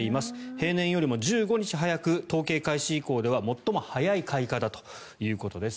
平年よりも１５日早く統計開始以降では最も早い開花だということです。